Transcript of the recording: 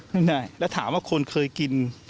ไม่ได้แล้วถามว่าคนเคยกิน